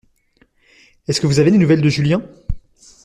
Est-ce que vous avez des nouvelles de Julien?